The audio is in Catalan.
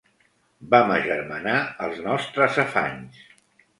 Vam agermanar els nostres afanys.